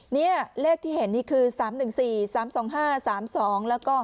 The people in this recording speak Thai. นี่เลขที่เห็นนี่คือ๓๑๔๓๒๕๓๒แล้วก็